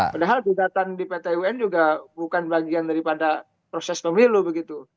padahal gugatan di pt un juga bukan bagian daripada proses pemilu begitu